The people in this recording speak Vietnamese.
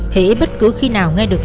hệ bất cứ khi nào nghe được